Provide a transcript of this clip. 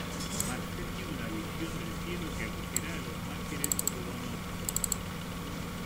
Marcel tiene una visión del cielo que acogerá a los mártires hugonotes.